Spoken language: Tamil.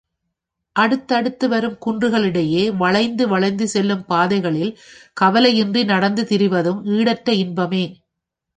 அடுத்தடுத்து வரும் குன்றுகளிடையே, வளைந்து வளைந்து செல்லும் பாதைகளில் கவலையின்றி நடந்து திரிவதும் ஈடற்ற இன்பமே.